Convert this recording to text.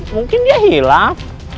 mungkin dia hilang